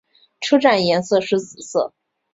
车站颜色是紫色。